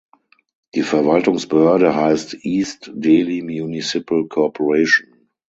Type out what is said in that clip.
Die Verwaltungsbehörde heißt "East Delhi Municipal Corporation".